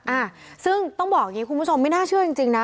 อ่าซึ่งต้องบอกอย่างนี้คุณผู้ชมไม่น่าเชื่อจริงจริงนะ